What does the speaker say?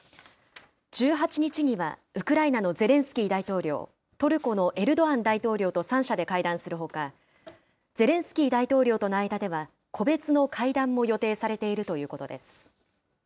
１８日にはウクライナのゼレンスキー大統領、トルコのエルドアン大統領と３者で会談するほか、ゼレンスキー大統領との間では、個別の会談も予定されているということです。